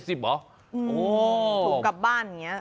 ถูกกลับบ้านีเงี้ย